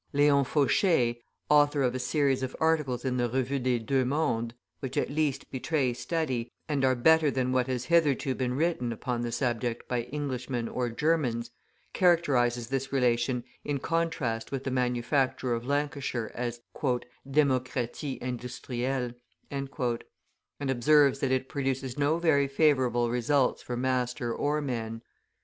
Leon Faucher, author of a series of articles in the Revue des Deux Mondes, which at least betray study, and are better than what has hitherto been written upon the subject by Englishmen or Germans, characterises this relation in contrast with the manufacture of Lancashire as "Democratie industrielle," and observes that it produces no very favourable results for master or men.